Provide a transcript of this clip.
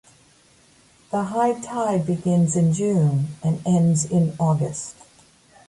The high tide begins in June and ends in August.